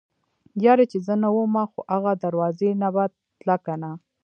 يره چې زه نه ومه خو اغه دروازې نه به تله کنه.